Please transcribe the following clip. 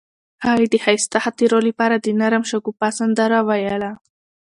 هغې د ښایسته خاطرو لپاره د نرم شګوفه سندره ویله.